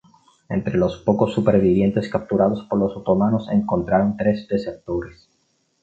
Entre los pocos supervivientes capturados por los otomanos encontraron tres desertores.